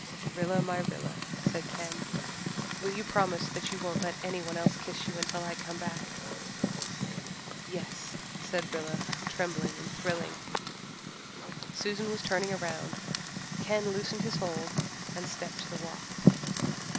"Rilla my Rilla," said Ken, "will you promise that you won't let anyone else kiss you until I come back?" "Yes," said Rilla, trembling and thrilling. Susan was turning round. Ken loosened his hold and stepped to the walk.